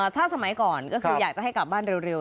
ถ้าสมัยก่อนก็คืออยากจะให้กลับบ้านเร็ว